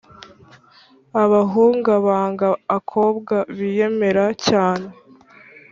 Abahunga banga akobwa biyemera cyane